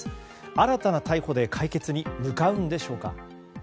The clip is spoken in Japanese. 新たな逮捕で解決に向かうんでしょうか。